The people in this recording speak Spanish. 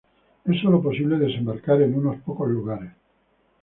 Es solo posible desembarcar en unos pocos lugares.